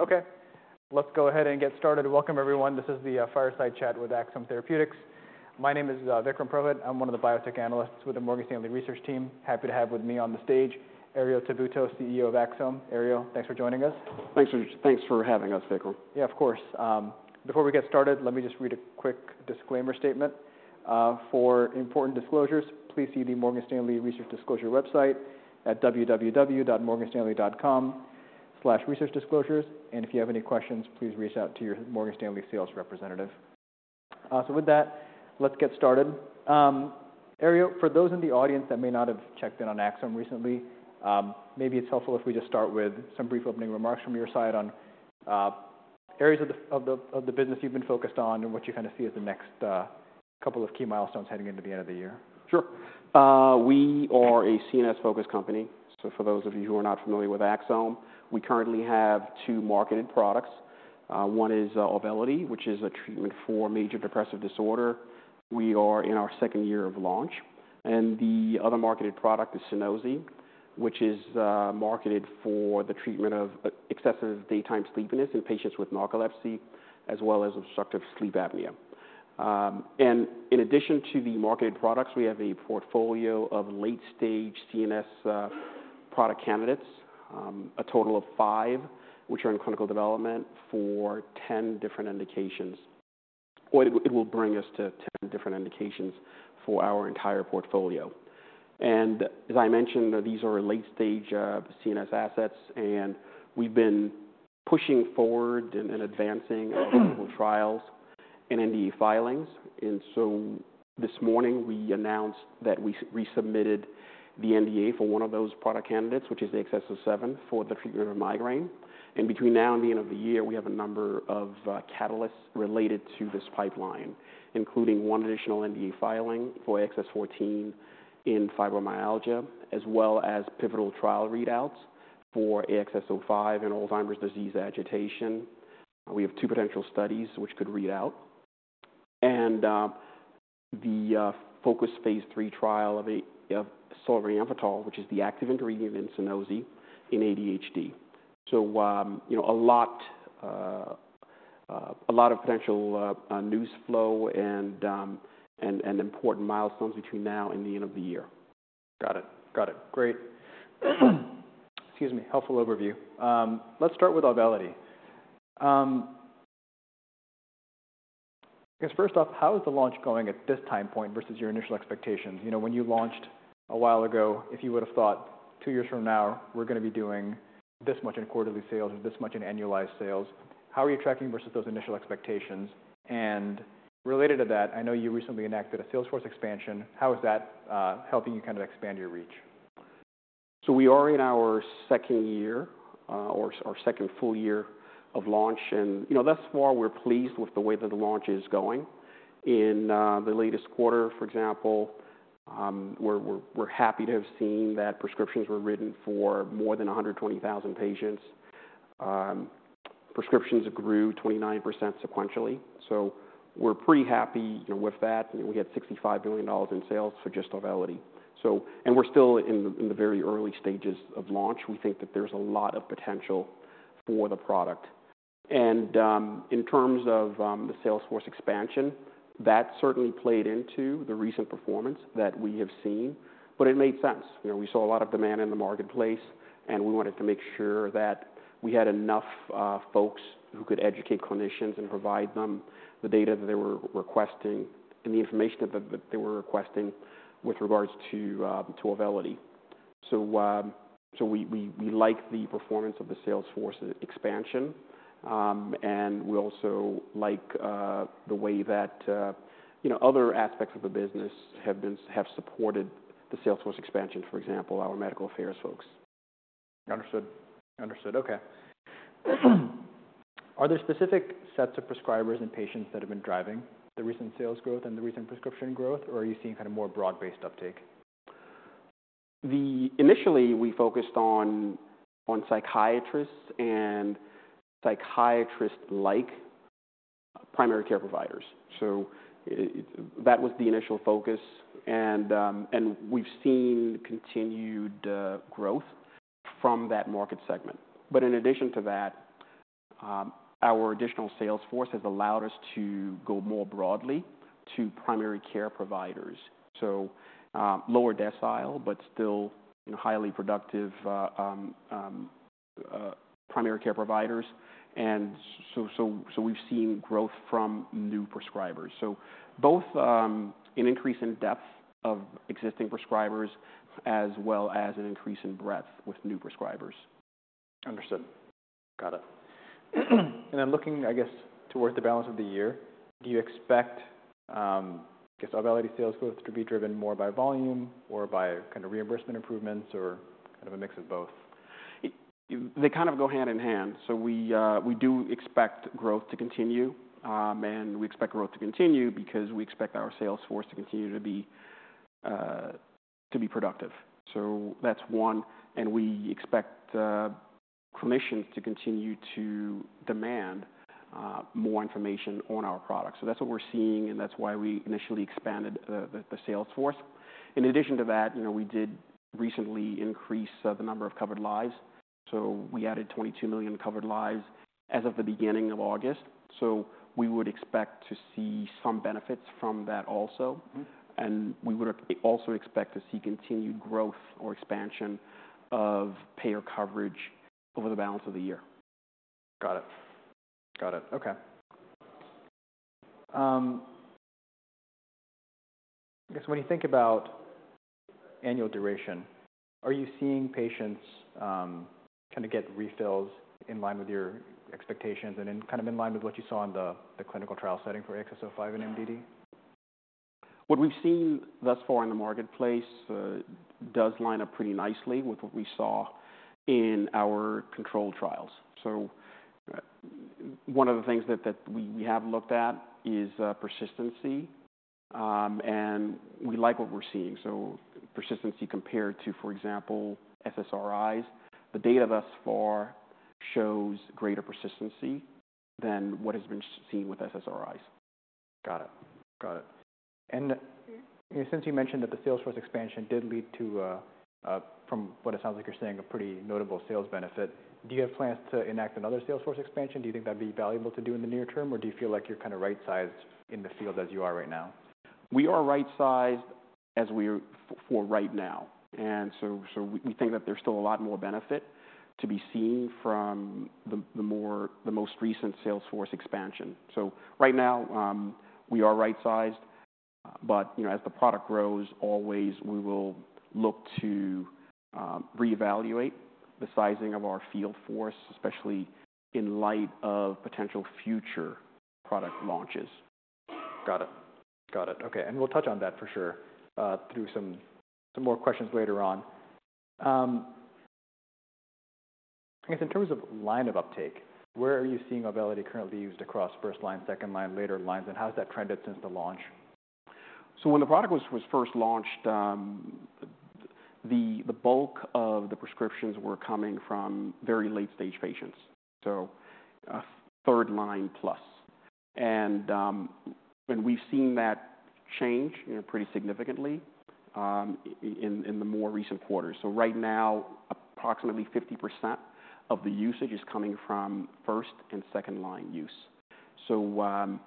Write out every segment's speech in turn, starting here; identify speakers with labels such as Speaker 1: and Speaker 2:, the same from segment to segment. Speaker 1: Okay, let's go ahead and get started. Welcome everyone. This is the Fireside Chat with Axsome Therapeutics. My name is Vikram Purohit. I'm one of the biotech analysts with the Morgan Stanley research team. Happy to have with me on the stage, Herriot Tabuteau, CEO of Axsome. Herriot, thanks for joining us.
Speaker 2: Thanks for having us, Vikram.
Speaker 1: Yeah, of course. Before we get started, let me just read a quick disclaimer statement. "For important disclosures, please see the Morgan Stanley Research Disclosure website at www.morganstanley.com/researchdisclosures. And if you have any questions, please reach out to your Morgan Stanley sales representative." So with that, let's get started. Herriot, for those in the audience that may not have checked in on Axsome recently, maybe it's helpful if we just start with some brief opening remarks from your side on areas of the business you've been focused on, and what you kind of see as the next couple of key milestones heading into the end of the year.
Speaker 2: Sure. We are a CNS-focused company, so for those of you who are not familiar with Axsome, we currently have two marketed products. One is Auvelity, which is a treatment for major depressive disorder. We are in our second year of launch, and the other marketed product is Sunosi, which is marketed for the treatment of excessive daytime sleepiness in patients with narcolepsy, as well as obstructive sleep apnea, and in addition to the marketed products, we have a portfolio of late-stage CNS product candidates, a total of five, which are in clinical development for ten different indications. It will bring us to ten different indications for our entire portfolio, and as I mentioned, these are late-stage CNS assets, and we've been pushing forward and advancing clinical trials and NDA filings. And so this morning we announced that we resubmitted the NDA for one of those product candidates, which is the AXS-07 for the treatment of migraine. And between now and the end of the year, we have a number of catalysts related to this pipeline, including one additional NDA filing for AXS-14 in fibromyalgia, as well as pivotal trial readouts for AXS-05 in Alzheimer's disease agitation. We have two potential studies which could read out. And the FOCUS phase III trial of solriamfetol, which is the active ingredient in Sunosi in ADHD. So you know a lot of potential news flow and an important milestones between now and the end of the year.
Speaker 1: Got it. Great. Excuse me. Helpful overview. Let's start with Auvelity. I guess first off, how is the launch going at this time point versus your initial expectations? You know, when you launched a while ago, if you would've thought two years from now, we're gonna be doing this much in quarterly sales and this much in annualized sales, how are you tracking versus those initial expectations? And related to that, I know you recently enacted a sales force expansion. How is that helping you kind of expand your reach?
Speaker 2: So we are in our second year or second full year of launch, and, you know, thus far, we're pleased with the way that the launch is going. In the latest quarter, for example, we're happy to have seen that prescriptions were written for more than 120,000 patients. Prescriptions grew 29% sequentially, so we're pretty happy, you know, with that. We get $65 billion in sales for just Auvelity, so... And we're still in the very early stages of launch. We think that there's a lot of potential for the product. And in terms of the sales force expansion, that certainly played into the recent performance that we have seen, but it made sense. You know, we saw a lot of demand in the marketplace, and we wanted to make sure that we had enough folks who could educate clinicians and provide them the data that they were requesting and the information that they were requesting with regards to Auvelity. So we like the performance of the sales force expansion. And we also like the way that you know, other aspects of the business have supported the sales force expansion. For example, our medical affairs folks.
Speaker 1: Understood. Okay. Are there specific sets of prescribers and patients that have been driving the recent sales growth and the recent prescription growth, or are you seeing kind of more broad-based uptake?
Speaker 2: Initially, we focused on psychiatrists and psychiatrist-like primary care providers, so. That was the initial focus, and we've seen continued growth from that market segment. But in addition to that, our additional sales force has allowed us to go more broadly to primary care providers. So, lower decile, but still highly productive primary care providers. And so, we've seen growth from new prescribers. So both, an increase in depth of existing prescribers, as well as an increase in breadth with new prescribers.
Speaker 1: Understood. Got it. And then looking, I guess, towards the balance of the year, do you expect, I guess, Auvelity sales growth to be driven more by volume or by kind of reimbursement improvements, or kind of a mix of both?
Speaker 2: They kind of go hand in hand. So we do expect growth to continue, and we expect growth to continue because we expect our sales force to continue to be productive. So that's one, and we expect clinicians to continue to demand more information on our products. So that's what we're seeing, and that's why we initially expanded the sales force. In addition to that, you know, we did recently increase the number of covered lives, so we added 22 million covered lives as of the beginning of August. So we would expect to see some benefits from that also.
Speaker 1: Mm-hmm.
Speaker 2: We would also expect to see continued growth or expansion of payer coverage over the balance of the year.
Speaker 1: Got it. Got it. Okay. I guess when you think about annual duration, are you seeing patients kind of get refills in line with your expectations and in kind of in line with what you saw in the clinical trial setting for AXS-05 and MDD?
Speaker 2: What we've seen thus far in the marketplace does line up pretty nicely with what we saw in our controlled trials. So one of the things that we have looked at is persistency, and we like what we're seeing. So persistency compared to, for example, SSRIs. The data thus far shows greater persistency than what has been seen with SSRIs.
Speaker 1: Got it. Got it. And since you mentioned that the sales force expansion did lead to, from what it sounds like you're saying, a pretty notable sales benefit, do you have plans to enact another sales force expansion? Do you think that'd be valuable to do in the near term, or do you feel like you're kind of right-sized in the field as you are right now?
Speaker 2: We are right-sized as we are for right now. And so we think that there's still a lot more benefit to be seen from the most recent sales force expansion. So right now, we are right-sized, but you know, as the product grows, always we will look to reevaluate the sizing of our field force, especially in light of potential future product launches.
Speaker 1: Got it. Got it. Okay, and we'll touch on that for sure, through some more questions later on. I guess, in terms of line of uptake, where are you seeing Auvelity currently used across first line, second line, later lines, and how has that trended since the launch?
Speaker 2: So when the product was first launched, the bulk of the prescriptions were coming from very late-stage patients, so third line plus. And we've seen that change, you know, pretty significantly in the more recent quarters. So right now, approximately 50% of the usage is coming from first and second line use. So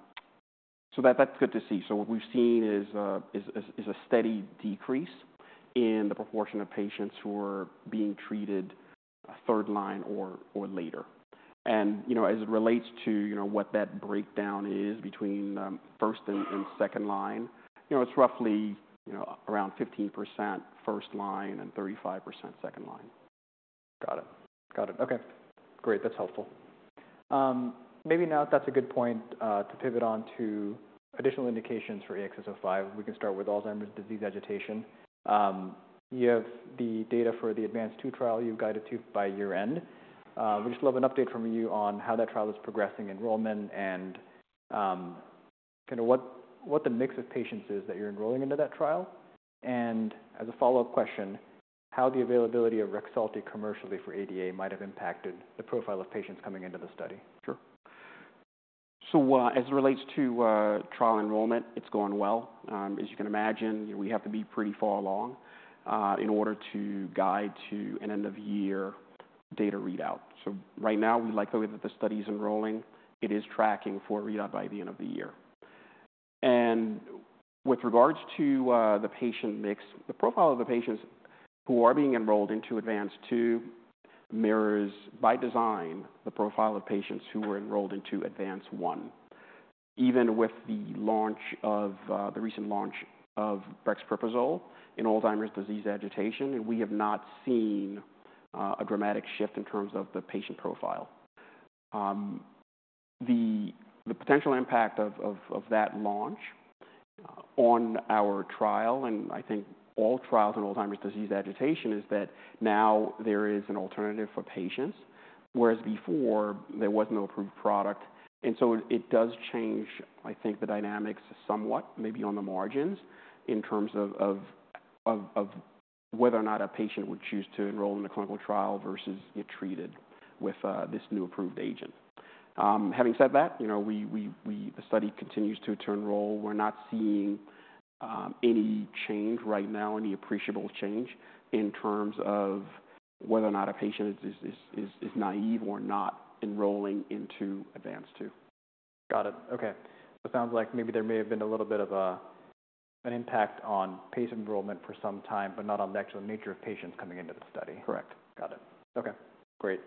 Speaker 2: that's good to see. So what we've seen is a steady decrease in the proportion of patients who are being treated third line or later. And, you know, as it relates to, you know, what that breakdown is between first and second line, you know, it's roughly, you know, around 15% first line and 35% second line.
Speaker 1: Got it. Okay, great. That's helpful. Maybe now that's a good point to pivot on to additional indications for AXS-05. We can start with Alzheimer's disease agitation. You have the data for the ADVANCE-2 trial you've guided to by year end. We'd just love an update from you on how that trial is progressing, enrollment and kind of what the mix of patients is that you're enrolling into that trial. And as a follow-up question, how the availability of Rexulti commercially for ADA might have impacted the profile of patients coming into the study? Sure.
Speaker 2: So, as it relates to trial enrollment, it's going well. As you can imagine, we have to be pretty far along in order to guide to an end-of-year data readout. So right now, we like the way that the study is enrolling. It is tracking for a readout by the end of the year. And with regards to the patient mix, the profile of the patients who are being enrolled into ADVANCE-2 mirrors, by design, the profile of patients who were enrolled into ADVANCE-1. Even with the launch of the recent launch of brexpiprazole in Alzheimer's disease agitation, we have not seen a dramatic shift in terms of the patient profile. The potential impact of that launch on our trial, and I think all trials on Alzheimer's disease agitation, is that now there is an alternative for patients, whereas before there was no approved product. And so it does change, I think, the dynamics somewhat, maybe on the margins, in terms of whether or not a patient would choose to enroll in a clinical trial versus get treated with this new approved agent. Having said that, you know, the study continues to enroll. We're not seeing any change right now, any appreciable change in terms of whether or not a patient is naive or not enrolling into ADVANCE-2.
Speaker 1: Got it. Okay, it sounds like maybe there may have been a little bit of an impact on pace enrollment for some time, but not on the actual nature of patients coming into the study.
Speaker 2: Correct.
Speaker 1: Got it. Okay, great.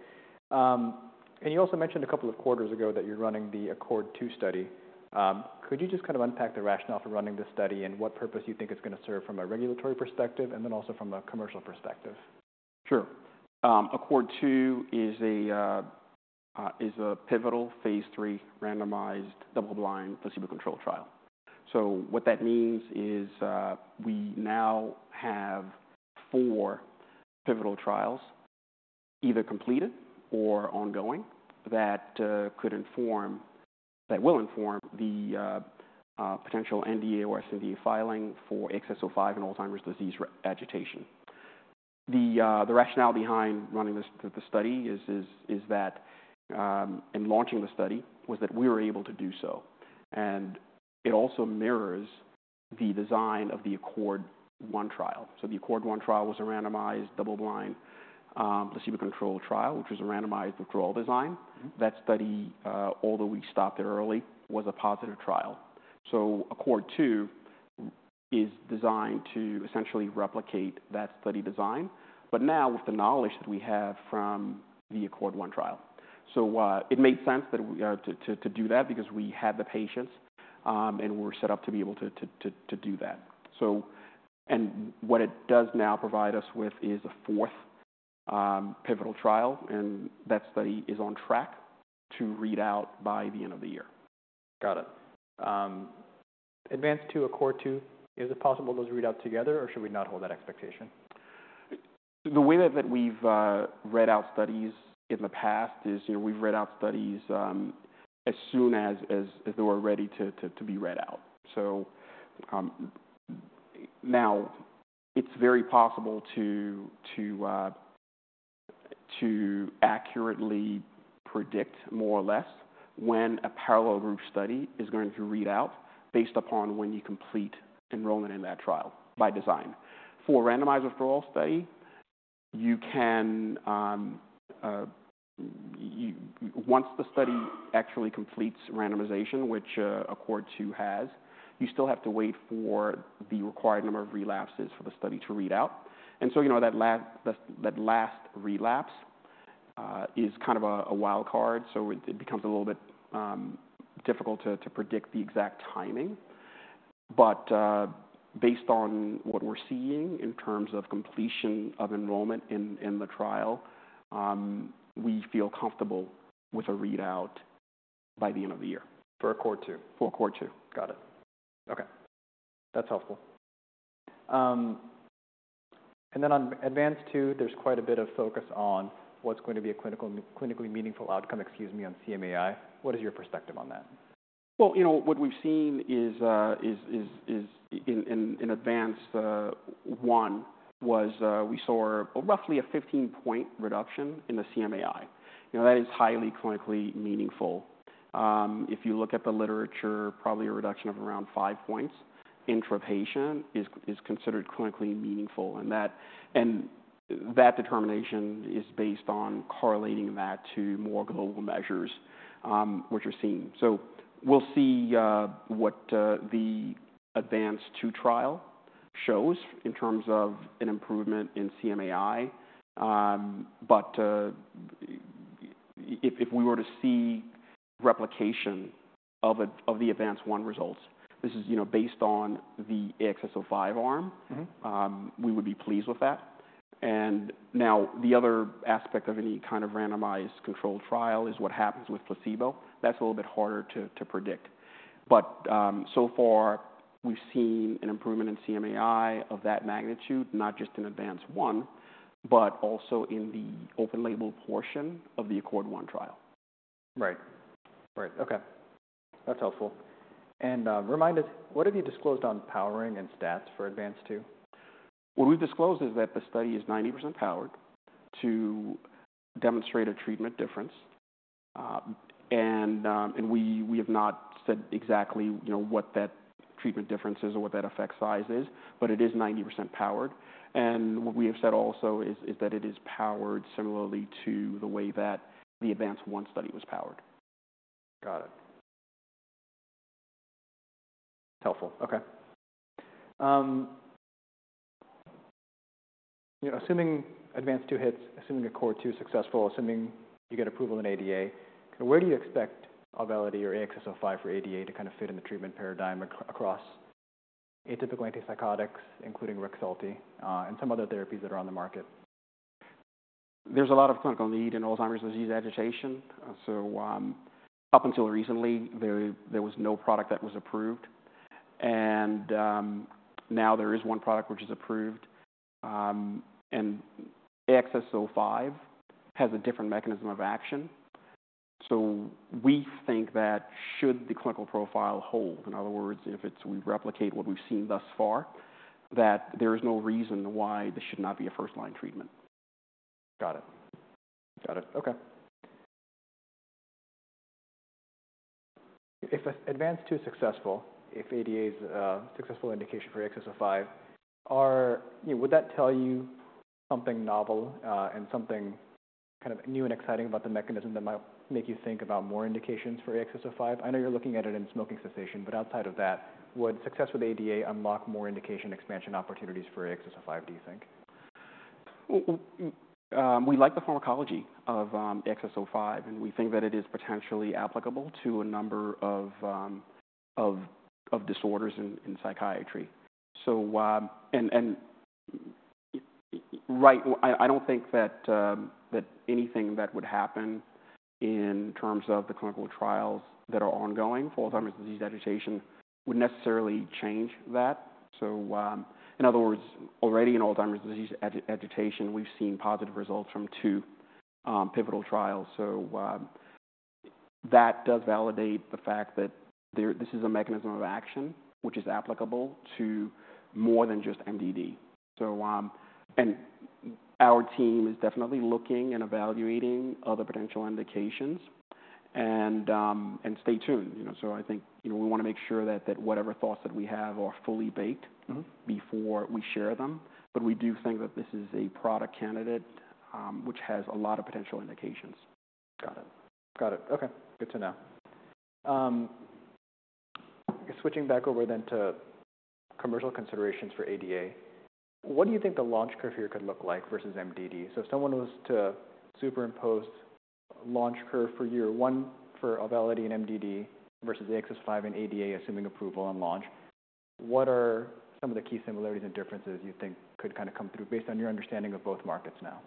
Speaker 1: And you also mentioned a couple of quarters ago that you're running the ACCORD-2 study. Could you just kind of unpack the rationale for running this study and what purpose you think it's gonna serve from a regulatory perspective and then also from a commercial perspective?
Speaker 2: Sure. ACCORD-2 is a pivotal phase III randomized double-blind placebo-controlled trial. So what that means is, we now have four pivotal trials either completed or ongoing that could inform, that will inform the potential NDA or sNDA filing for AXS-05 in Alzheimer's disease agitation. The rationale behind running this study is that in launching the study we were able to do so, and it also mirrors the design of the ACCORD-1 trial. So the ACCORD-1 trial was a randomized, double-blind, placebo-controlled trial, which was a randomized withdrawal design.
Speaker 1: Mm-hmm.
Speaker 2: That study, although we stopped it early, was a positive trial. So ACCORD-2 is designed to essentially replicate that study design, but now with the knowledge that we have from the ACCORD-1 trial. So, it made sense that we to do that because we had the patients, and we're set up to be able to do that. So. And what it does now provide us with is a fourth pivotal trial, and that study is on track to read out by the end of the year.
Speaker 1: Got it. ADVANCE to ACCORD-2, is it possible those read out together, or should we not hold that expectation?
Speaker 2: The way that we've read out studies in the past is, you know, we've read out studies as soon as they were ready to be read out. So now it's very possible to accurately predict more or less when a parallel group study is going to read out based upon when you complete enrollment in that trial by design. For randomized withdrawal study, once the study actually completes randomization, which ACCORD-2 has, you still have to wait for the required number of relapses for the study to read out, and so, you know, that last relapse is kind of a wild card. So it becomes a little bit difficult to predict the exact timing. But based on what we're seeing in terms of completion of enrollment in the trial, we feel comfortable with a readout by the end of the year.
Speaker 1: For ACCORD-2?
Speaker 2: For ACCORD-2.
Speaker 1: Got it. Okay, that's helpful, and then on ADVANCE-2, there's quite a bit of focus on what's going to be a clinical, clinically meaningful outcome, excuse me, on CMAI. What is your perspective on that?
Speaker 2: Well, you know, what we've seen is in ADVANCE-1, we saw roughly a 15-point reduction in the CMAI. You know, that is highly clinically meaningful. If you look at the literature, probably a reduction of around 5 points intrapatient is considered clinically meaningful, and that determination is based on correlating that to more global measures, which we're seeing. So we'll see what the ADVANCE-2 trial shows in terms of an improvement in CMAI. But if we were to see replication of the ADVANCE-1 results, this is, you know, based on the AXS-05 arm-
Speaker 1: Mm-hmm.
Speaker 2: We would be pleased with that. And now the other aspect of any kind of randomized controlled trial is what happens with placebo. That's a little bit harder to predict, but so far we've seen an improvement in CMAI of that magnitude, not just in ADVANCE-1, but also in the open label portion of the ACCORD-1 trial.
Speaker 1: Right. Right. Okay, that's helpful. And, remind us, what have you disclosed on powering and stats for ADVANCE-2?
Speaker 2: What we've disclosed is that the study is 90% powered to demonstrate a treatment difference. And we have not said exactly, you know, what that treatment difference is or what that effect size is, but it is 90% powered. And what we have said also is that it is powered similarly to the way that the ADVANCE-1 study was powered.
Speaker 1: Got it. Helpful. Okay. You know, assuming ADVANCE-2 hits, assuming ACCORD-2 is successful, assuming you get approval in ADA, where do you expect Auvelity or AXS-05 for ADA to kind of fit in the treatment paradigm across atypical antipsychotics, including Rexulti, and some other therapies that are on the market?
Speaker 2: There's a lot of clinical need in Alzheimer's disease agitation, so up until recently, there was no product that was approved, and now there is one product which is approved, and AXS-05 has a different mechanism of action, so we think that should the clinical profile hold, in other words, if it's we replicate what we've seen thus far, that there is no reason why this should not be a first-line treatment.
Speaker 1: Got it. Okay. If ADVANCE-2 is successful, if ADA's a successful indication for AXS-05, you know, would that tell you something novel and something kind of new and exciting about the mechanism that might make you think about more indications for AXS-05? I know you're looking at it in smoking cessation, but outside of that, would success with ADA unlock more indication expansion opportunities for AXS-05, do you think?
Speaker 2: We like the pharmacology of AXS-05, and we think that it is potentially applicable to a number of disorders in psychiatry. Right, I don't think that anything that would happen in terms of the clinical trials that are ongoing for Alzheimer's disease agitation would necessarily change that. In other words, already in Alzheimer's disease agitation, we've seen positive results from two pivotal trials. That does validate the fact that this is a mechanism of action, which is applicable to more than just MDD. Our team is definitely looking and evaluating other potential indications and stay tuned, you know. I think, you know, we wanna make sure that whatever thoughts that we have are fully baked.
Speaker 1: Mm-hmm.
Speaker 2: Before we share them. But we do think that this is a product candidate, which has a lot of potential indications.
Speaker 1: Got it. Got it. Okay, good to know. Switching back over then to commercial considerations for ADA, what do you think the launch curve here could look like versus MDD? So if someone was to superimpose launch curve for year one for Auvelity and MDD versus AXS-05 and ADA, assuming approval and launch, what are some of the key similarities and differences you think could kinda come through based on your understanding of both markets now?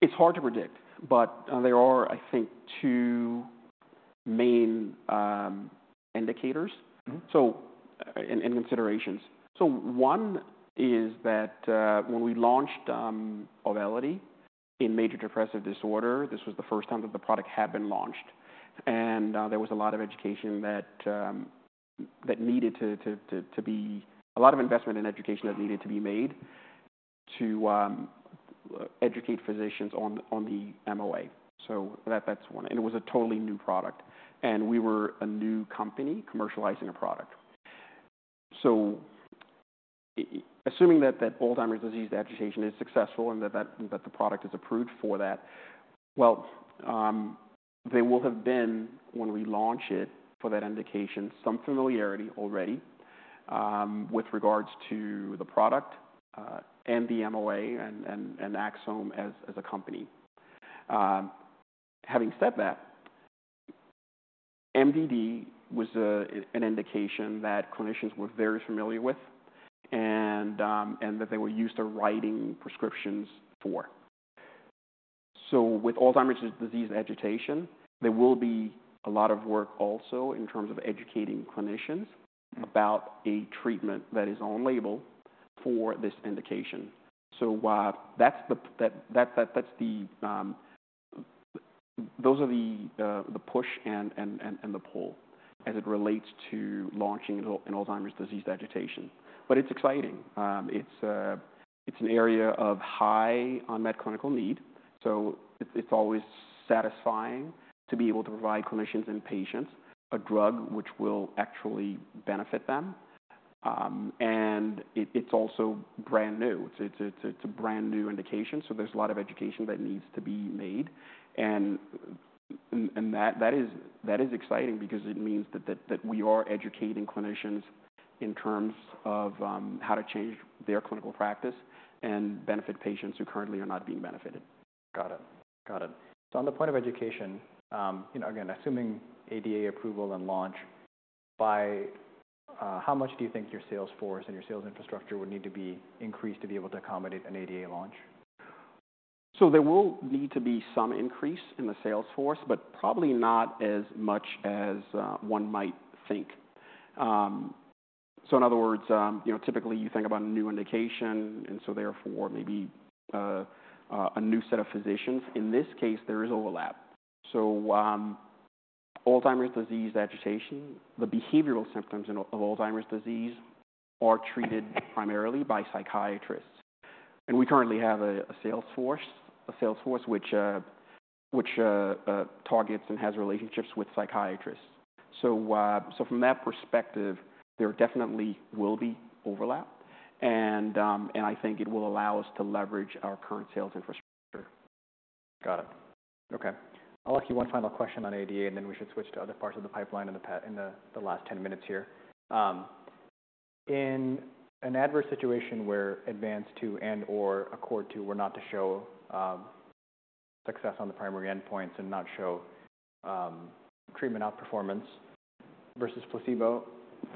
Speaker 2: It's hard to predict, but there are, I think, two main indicators-
Speaker 1: Mm-hmm.
Speaker 2: So and considerations. So one is that, when we launched Auvelity in major depressive disorder, this was the first time that the product had been launched. And there was a lot of education that needed to be. A lot of investment in education that needed to be made, to educate physicians on the MOA. So that's one, and it was a totally new product, and we were a new company commercializing a product. So assuming that Alzheimer's disease agitation is successful and that the product is approved for that, well, they will have been, when we launch it for that indication, some familiarity already with regards to the product and the MOA and Axsome as a company. Having said that, MDD was a, an indication that clinicians were very familiar with and, and that they were used to writing prescriptions for. So with Alzheimer's disease agitation, there will be a lot of work also in terms of educating clinicians-
Speaker 1: Mm-hmm.
Speaker 2: -about a treatment that is on label for this indication. So, that's the push and the pull as it relates to launching in an Alzheimer's disease agitation. But it's exciting. It's an area of high unmet clinical need, so it's always satisfying to be able to provide clinicians and patients a drug which will actually benefit them. And it's also brand new. It's a brand-new indication, so there's a lot of education that needs to be made. And that is exciting because it means that we are educating clinicians in terms of how to change their clinical practice and benefit patients who currently are not being benefited.
Speaker 1: Got it. Got it. So on the point of education, you know, again, assuming ADA approval and launch, how much do you think your sales force and your sales infrastructure would need to be increased to be able to accommodate an ADA launch?
Speaker 2: There will need to be some increase in the sales force, but probably not as much as one might think. In other words, you know, typically you think about a new indication, and so therefore maybe a new set of physicians. In this case, there is overlap. Alzheimer's disease agitation. The behavioral symptoms of Alzheimer's disease are treated primarily by psychiatrists, and we currently have a sales force which targets and has relationships with psychiatrists. From that perspective, there definitely will be overlap, and I think it will allow us to leverage our current sales infrastructure.
Speaker 1: Got it. Okay. I'll ask you one final question on ADA, and then we should switch to other parts of the pipeline in the last 10 minutes here. In an adverse situation where ADVANCE-2 and/or ACCORD-2 were not to show success on the primary endpoints and not show treatment outperformance versus placebo,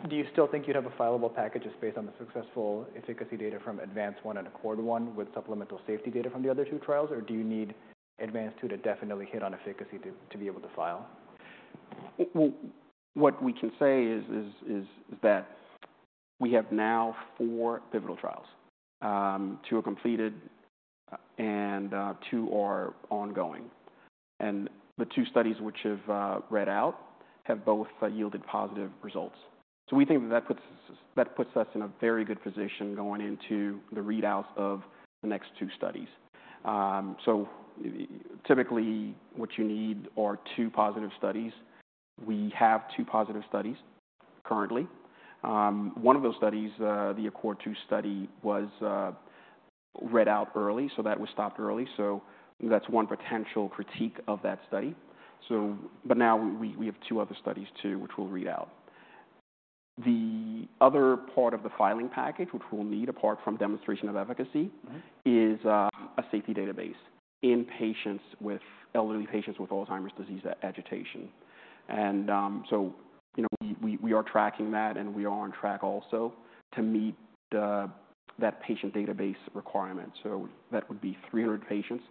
Speaker 1: do you still think you'd have a filable package just based on the successful efficacy data from ADVANCE-1 and ACCORD-1 with supplemental safety data from the other two trials? Or do you need ADVANCE-2 to definitely hit on efficacy to be able to file?
Speaker 2: What we can say is that we have now four pivotal trials. Two are completed, and two are ongoing. The two studies which have read out have both yielded positive results. We think that puts us in a very good position going into the readouts of the next two studies. Typically, what you need are two positive studies. We have two positive studies currently. One of those studies, the ACCORD-2 study, was read out early, so that was stopped early. That's one potential critique of that study. But now we have two other studies, too, which we'll read out. The other part of the filing package, which we'll need apart from demonstration of efficacy-
Speaker 1: Mm-hmm.
Speaker 2: is a safety database in elderly patients with Alzheimer's disease agitation, and so you know, we are tracking that, and we are on track also to meet that patient database requirement. So that would be 300 patients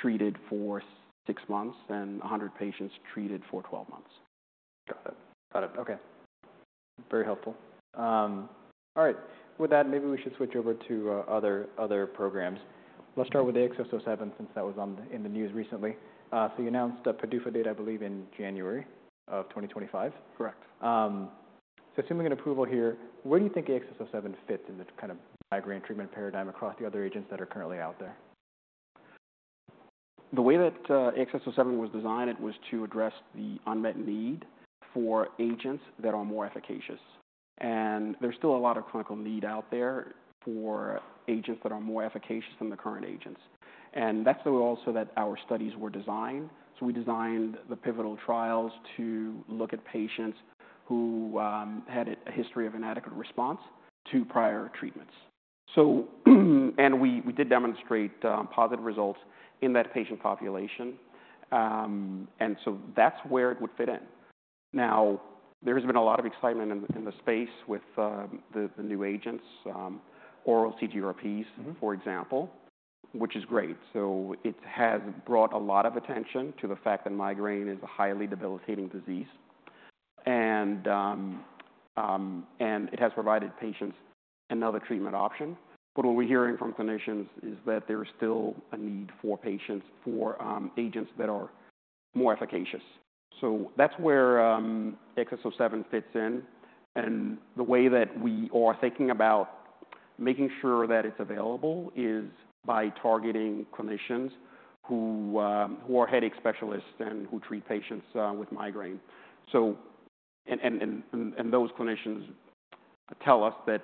Speaker 2: treated for six months and 100 patients treated for 12 months.
Speaker 1: Got it. Okay. Very helpful. All right, with that, maybe we should switch over to other programs. Let's start with AXS-07, since that was in the news recently. So you announced the PDUFA date, I believe, in January of twenty twenty-five.
Speaker 2: Correct.
Speaker 1: So assuming an approval here, where do you think AXS-07 fits in the kind of migraine treatment paradigm across the other agents that are currently out there?
Speaker 2: The way that AXS-07 was designed, it was to address the unmet need for agents that are more efficacious. And there's still a lot of clinical need out there for agents that are more efficacious than the current agents, and that's the way also that our studies were designed. So we designed the pivotal trials to look at patients who had a history of inadequate response to prior treatments. So, and we did demonstrate positive results in that patient population. And so that's where it would fit in. Now, there's been a lot of excitement in the space with the new agents oral CGRPs-
Speaker 1: Mm-hmm.
Speaker 2: For example, which is great. So it has brought a lot of attention to the fact that migraine is a highly debilitating disease, and it has provided patients another treatment option. But what we're hearing from clinicians is that there's still a need for patients for agents that are more efficacious. So that's where AXS-07 fits in, and the way that we are thinking about making sure that it's available is by targeting clinicians who are headache specialists and who treat patients with migraine. So those clinicians tell us that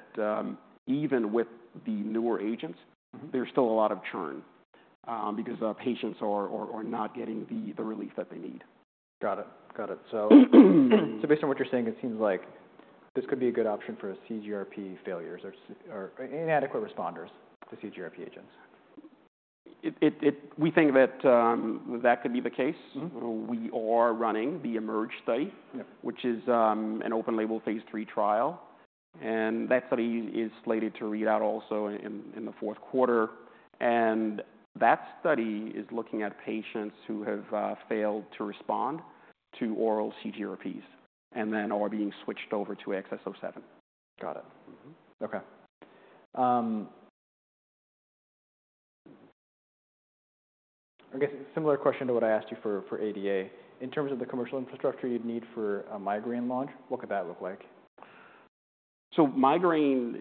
Speaker 2: even with the newer agents-
Speaker 1: Mm-hmm.
Speaker 2: There's still a lot of churn, because our patients are not getting the relief that they need.
Speaker 1: Got it. Got it. So based on what you're saying, it seems like this could be a good option for CGRP failures or inadequate responders to CGRP agents.
Speaker 2: It, we think that that could be the case.
Speaker 1: Mm-hmm.
Speaker 2: We are running the EMERGE study.
Speaker 1: Yep.
Speaker 2: -which is an open-label phase III trial, and that study is slated to read out also in the fourth quarter. And that study is looking at patients who have failed to respond to oral CGRPs and then are being switched over to AXS-07.
Speaker 1: Got it.
Speaker 2: Mm-hmm.
Speaker 1: Okay. I guess a similar question to what I asked you for, for ADA. In terms of the commercial infrastructure you'd need for a migraine launch, what could that look like?
Speaker 2: Migraine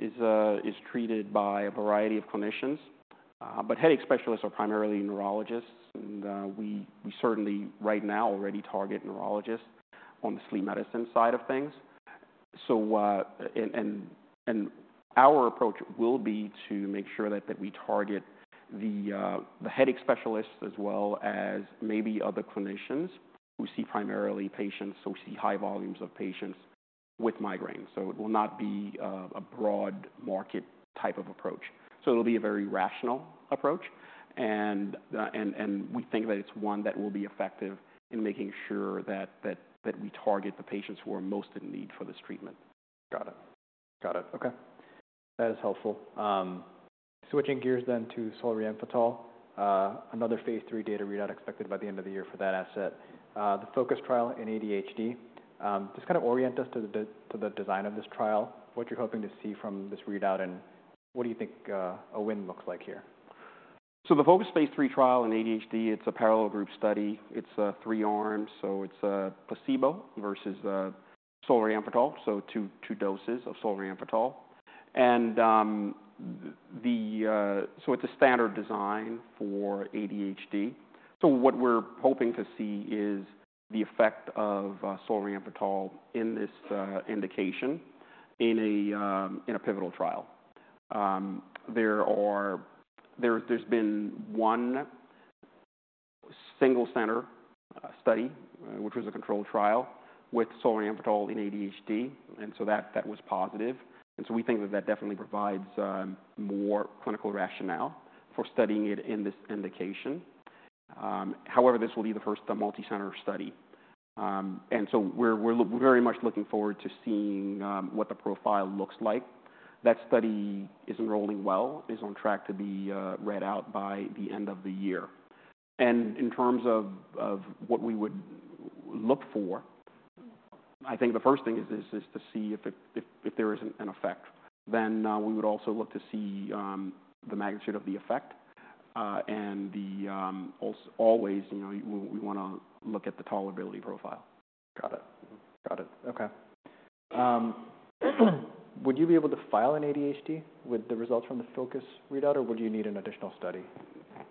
Speaker 2: is treated by a variety of clinicians, but headache specialists are primarily neurologists, and we certainly right now already target neurologists on the sleep medicine side of things. Our approach will be to make sure that we target the headache specialists as well as maybe other clinicians who see primarily patients, or see high volumes of patients with migraines. It will not be a broad market type of approach. It'll be a very rational approach, and we think that it's one that will be effective in making sure that we target the patients who are most in need for this treatment.
Speaker 1: Got it. Got it. Okay, that is helpful. Switching gears then to solriamfetol, another phase III data readout expected by the end of the year for that asset. The FOCUS trial in ADHD, just kind of orient us to the to the design of this trial, what you're hoping to see from this readout, and what do you think, a win looks like here?
Speaker 2: So the FOCUS phase III trial in ADHD, it's a parallel group study. It's three arms, so it's placebo versus solriamfetol, so two doses of solriamfetol. So it's a standard design for ADHD. So what we're hoping to see is the effect of solriamfetol in this indication in a pivotal trial. There's been one single center study, which was a controlled trial with solriamfetol in ADHD, and so that was positive. And so we think that that definitely provides more clinical rationale for studying it in this indication. However, this will be the first multicenter study. And so we're very much looking forward to seeing what the profile looks like. That study is enrolling well, is on track to be read out by the end of the year. And in terms of what we would look for, I think the first thing is to see if there is an effect. Then we would also look to see the magnitude of the effect, and always, you know, we wanna look at the tolerability profile.
Speaker 1: Got it. Got it. Okay. Would you be able to file an ADHD with the results from the FOCUS readout, or would you need an additional study?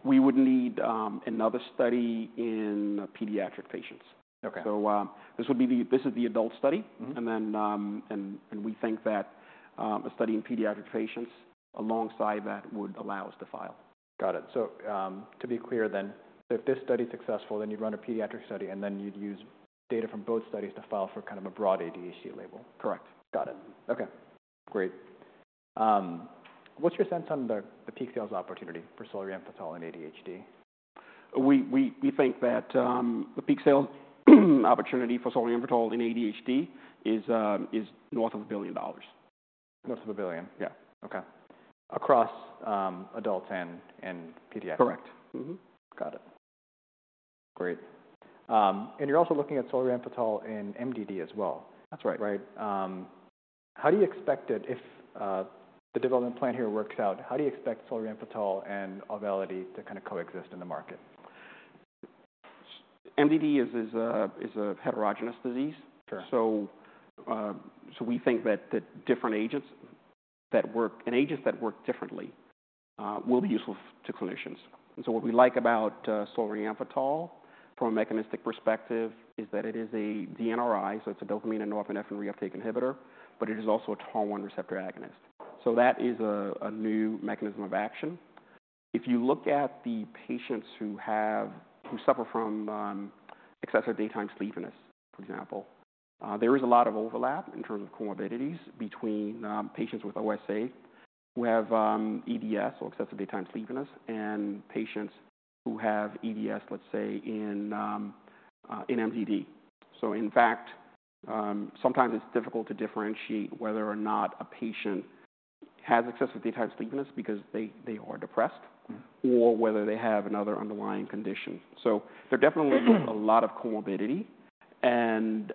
Speaker 2: We would need another study in pediatric patients.
Speaker 1: Okay.
Speaker 2: This is the adult study.
Speaker 1: Mm-hmm.
Speaker 2: And then we think that a study in pediatric patients alongside that would allow us to file.
Speaker 1: Got it. So, to be clear then, if this study is successful, then you'd run a pediatric study, and then you'd use data from both studies to file for kind of a broad ADHD label?
Speaker 2: Correct.
Speaker 1: Got it. Okay, great. What's your sense on the peak sales opportunity for solriamfetol in ADHD?
Speaker 2: We think that the peak sales opportunity for solriamfetol in ADHD is north of $1 billion.
Speaker 1: North of a billion?
Speaker 2: Yeah.
Speaker 1: Okay. Across, adults and pediatrics?
Speaker 2: Correct. Mm-hmm.
Speaker 1: Got it.... Great, and you're also looking at solriamfetol in MDD as well?
Speaker 2: That's right.
Speaker 1: Right. How do you expect it if the development plan here works out? How do you expect solriamfetol and Auvelity to kind of coexist in the market?
Speaker 2: MDD is a heterogeneous disease.
Speaker 1: Sure.
Speaker 2: So, so we think that the different agents that work and agents that work differently will be useful to clinicians. And so what we like about solriamfetol from a mechanistic perspective is that it is a DNRI, so it's a dopamine and norepinephrine reuptake inhibitor, but it is also a TAAR1 receptor agonist. So that is a new mechanism of action. If you look at the patients who suffer from excessive daytime sleepiness, for example, there is a lot of overlap in terms of comorbidities between patients with OSA, who have EDS or excessive daytime sleepiness, and patients who have EDS, let's say, in MDD. So in fact, sometimes it's difficult to differentiate whether or not a patient has excessive daytime sleepiness because they are depressed-
Speaker 1: Mm-hmm.
Speaker 2: or whether they have another underlying condition. So there definitely is a lot of comorbidity. And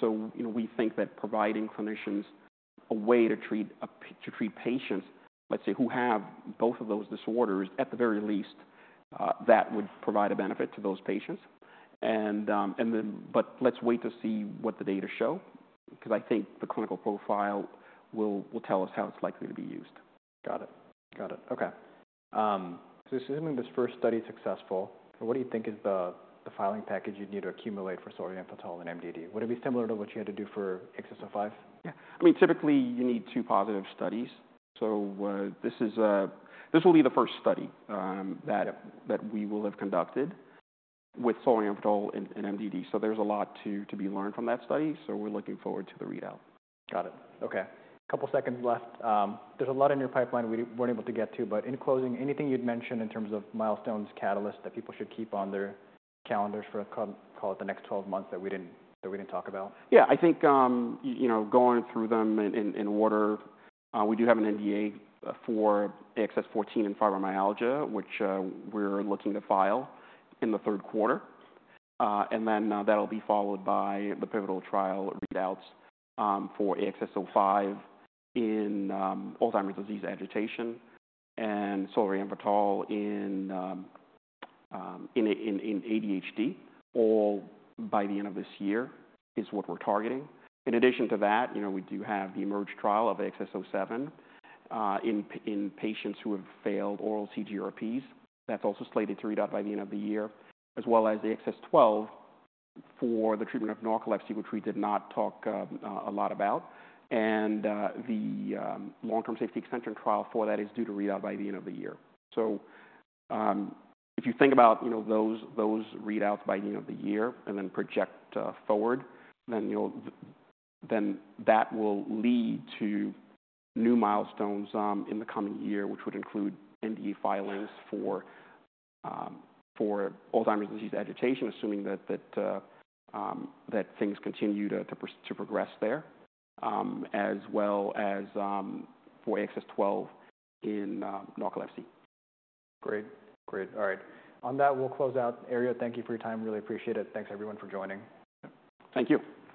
Speaker 2: so, you know, we think that providing clinicians a way to treat patients, let's say, who have both of those disorders, at the very least, that would provide a benefit to those patients. And then but let's wait to see what the data show, because I think the clinical profile will tell us how it's likely to be used.
Speaker 1: Got it. Got it. Okay. So assuming this first study is successful, what do you think is the, the filing package you'd need to accumulate for solriamfetol and MDD? Would it be similar to what you had to do for AXS-05?
Speaker 2: Yeah. I mean, typically, you need two positive studies. So, this is. This will be the first study that we will have conducted with solriamfetol in MDD. So there's a lot to be learned from that study, so we're looking forward to the readout.
Speaker 1: Got it. Okay. A couple seconds left. There's a lot in your pipeline we weren't able to get to, but in closing, anything you'd mention in terms of milestones, catalysts that people should keep on their calendars for, call it the next 12 months that we didn't talk about?
Speaker 2: Yeah. I think, you know, going through them in order, we do have an NDA for AXS-14 in fibromyalgia, which we're looking to file in the third quarter. And then, that'll be followed by the pivotal trial readouts, for AXS-05 in Alzheimer's disease agitation and solriamfetol in ADHD, all by the end of this year, is what we're targeting. In addition to that, you know, we do have the EMERGE trial of AXS-07, in patients who have failed oral CGRPs. That's also slated to read out by the end of the year, as well as the AXS-12 for the treatment of narcolepsy, which we did not talk a lot about. And, the long-term safety extension trial for that is due to read out by the end of the year. If you think about, you know, those readouts by the end of the year and then project forward, then that will lead to new milestones in the coming year, which would include NDA filings for Alzheimer's disease agitation, assuming that things continue to progress there, as well as for AXS-12 in narcolepsy.
Speaker 1: Great. Great. All right. On that, we'll close out. Herriot, thank you for your time. Really appreciate it. Thanks, everyone, for joining.
Speaker 2: Thank you.